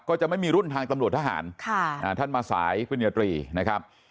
จะไม่มีรุ่นทางตำรวจทหารท่านมาสายปริญญาตรีนะครับ